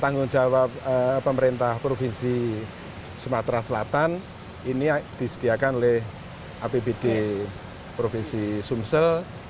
tanggung jawab pemerintah provinsi sumatera selatan ini disediakan oleh apbd provinsi sumsel